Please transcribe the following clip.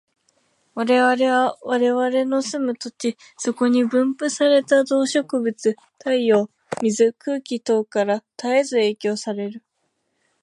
我々は我々の住む土地、そこに分布された動植物、太陽、水、空気等から絶えず影響される。